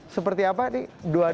seperti apa nih